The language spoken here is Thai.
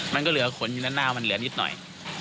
มันก็เหลือขนอยู่ด้านหน้ามันเหลือนิดหน่อย